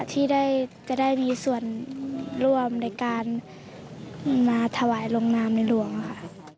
ที่จะได้มีส่วนร่วมในการมาถวายลงนามในหลวงค่ะ